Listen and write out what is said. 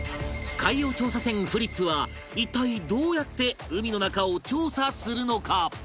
海洋調査船フリップは一体どうやって海の中を調査するのか？